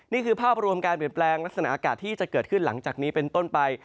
นี่คือภาพรวมการเปลี่ยนแปลงลักษณะอากาศที่จะเกิดขึ้นหลังจากนี้เป็นต้นไป